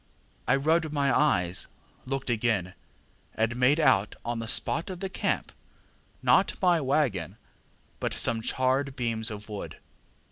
I rubbed my eyes, looked again, and made out on the spot of the camp, not my waggon, but some charred beams of wood.